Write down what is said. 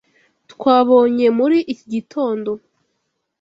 Twabonye muri iki gitondo.